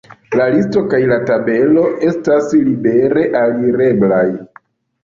La listo kaj la tabelo estas libere alireblaj.